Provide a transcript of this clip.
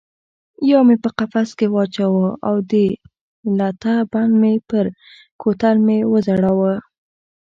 یو مې په قفس کې واچاوه او د لته بند پر کوتل مې وځړاوه.